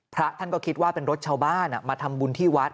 พระท่านก็คิดว่าเป็นรถชาวบ้านมาทำบุญที่วัด